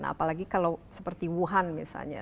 apalagi kalau seperti wuhan misalnya